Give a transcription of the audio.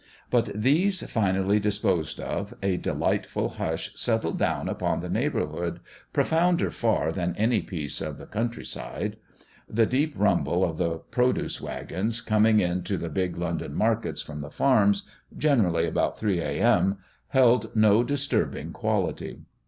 But, these finally disposed of, a delightful hush settled down upon the neighbourhood, profounder far than any peace of the countryside. The deep rumble of the produce wagons, coming in to the big London markets from the farms generally about three A.M. held no disturbing quality.